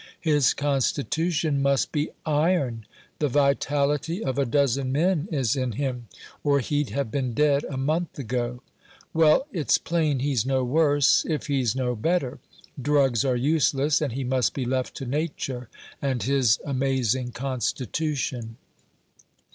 His constitution must be iron! The vitality of a dozen men is in him, or he'd have been dead a month ago. Well, it's plain he's no worse, if he's no better. Drugs are useless, and he must be left to nature and his amazing constitution.